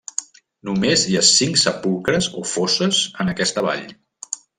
Només hi ha cinc sepulcres o fosses en aquesta vall.